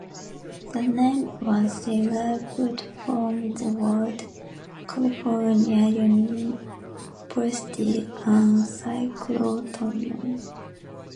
The name was derived from the words "California", "university" and "cyclotron".